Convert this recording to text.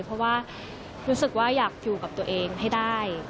เพราะว่ารู้สึกว่าอยากอยู่กับตัวเองให้ได้